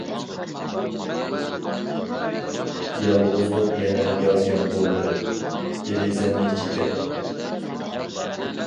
يالغۇزلۇق يەنە ياز يامغۇرلىرى، دېرىزەمنى چېكەر.